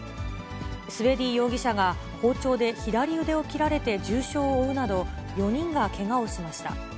スベディー容疑者が包丁で左腕を切られて重傷を負うなど、４人がけがをしました。